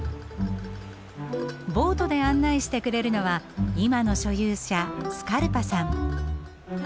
ボートで案内してくれるのは今の所有者スカルパさん。